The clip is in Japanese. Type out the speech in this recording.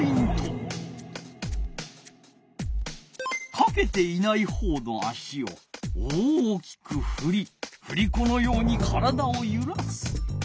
かけていないほうの足を大きくふりふりこのように体をゆらす。